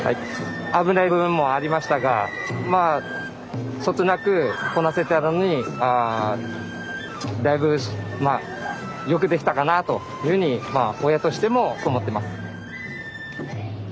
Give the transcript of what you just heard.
危ない部分もありましたがまあそつなくこなせたのにだいぶまあよくできたかなというふうにまあ親としてもそう思ってます。